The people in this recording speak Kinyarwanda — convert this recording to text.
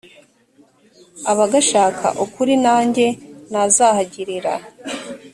abagashaka ukuri nanjye nazahagirira.